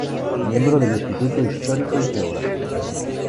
Miembro del Instituto Histórico y Geográfico.